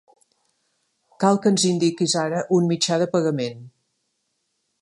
Cal que ens indiquis ara un mitjà de pagament.